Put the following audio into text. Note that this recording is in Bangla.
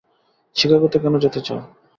শিকাগোতে কেন যেতে চাও?